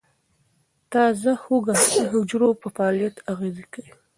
تازه هوږه د حجرو پر فعالیت اغېز کوي.